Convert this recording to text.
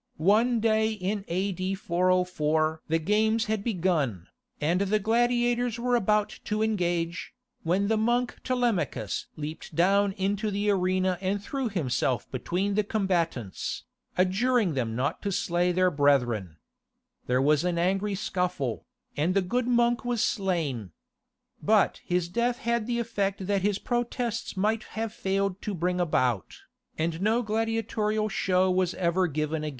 One day in A.D. 404 the games had begun, and the gladiators were about to engage, when the monk Telemachus leapt down into the arena and threw himself between the combatants, adjuring them not to slay their brethren. There was an angry scuffle, and the good monk was slain. But his death had the effect that his protests might have failed to bring about, and no gladiatorial show was ever given again. General View Of St. Sophia.